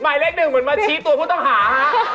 หมายเลขหนึ่งเหมือนมาชี้ตัวผู้ต้องหาฮะ